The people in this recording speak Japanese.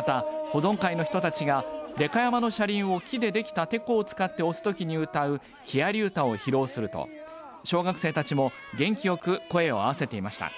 また保存会の人たちがでか山の車輪を木でできたてこを使って押すときに歌う木遣り唄を披露すると小学生たちも元気よく声を合わせていました。